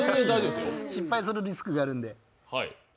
失敗するリスクがあるんで。